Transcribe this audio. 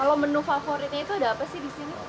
kalau menu favoritnya itu ada apa sih di sini